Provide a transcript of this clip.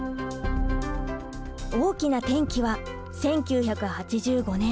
大きな転機は１９８５年。